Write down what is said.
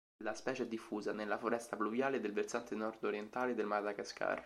La specie è diffusa nella foresta pluviale del versante nord-orientale del Madagascar.